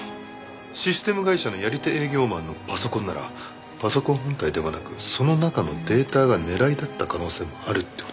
システム会社のやり手営業マンのパソコンならパソコン本体ではなくその中のデータが狙いだった可能性もあるって事ですね。